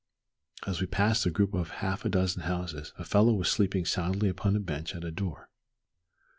As we passed a group of half a dozen houses a fellow was sleeping soundly upon a bench at a door.